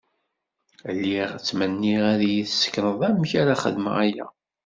Lliɣ ttmenniɣ ad yi-d-sekneḍ amek ara xedmeɣ aya.